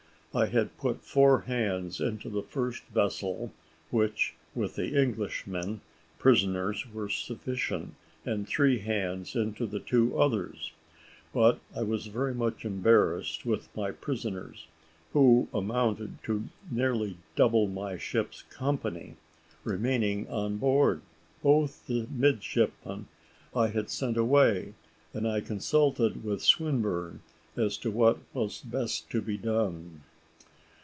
I had put four hands into the first vessel, which, with the Englishmen, prisoners, were sufficient, and three hands into the two others; but I was very much embarrassed with my prisoners, who amounted to nearly double my ship's company, remaining on board. Both the midshipmen I had sent away, and I consulted with Swinburne as to what was best to be done.